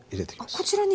あこちらに。